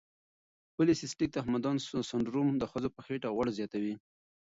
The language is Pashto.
پولی سیسټیک تخمدان سنډروم د ښځو په خېټه غوړ زیاتوي.